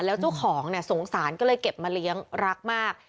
แล้วเจ้าของเนี่ยสงสารก็เลยเก็บมาเลี้ยงรักมาก